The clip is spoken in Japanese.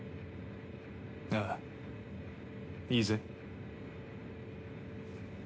ああいいぜ。